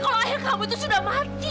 kalau akhir kamu tuh sudah mati